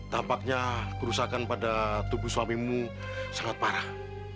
tampaknya kerusakan pada tubuh suamimu sangat parah